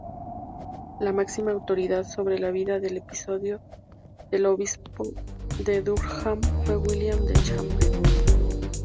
La máxima autoridad sobre la vida del obispo de Durham fue William de Chambre.